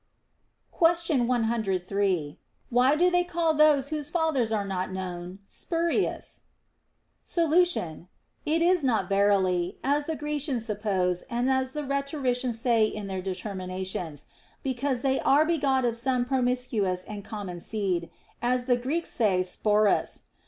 Question 103. Why do they call those whose fathers are not known Spurius f Solution. It is not verily — as the Grecians suppose and as the rhetoricians say in their determinations — be cause they are begot of some promiscuous and common seed (as the Greeks say σπόρος).